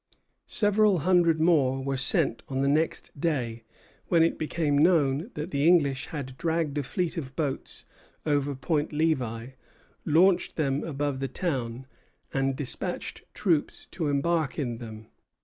Several hundred more were sent on the next day, when it became known that the English had dragged a fleet of boats over Point Levi, launched them above the town, and despatched troops to embark in them.